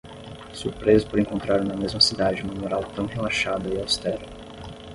Surpreso por encontrar na mesma cidade uma moral tão relaxada e austera.